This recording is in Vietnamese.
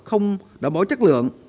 không đảm bảo chất lượng